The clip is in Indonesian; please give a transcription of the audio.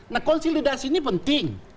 nah konsilidasi ini penting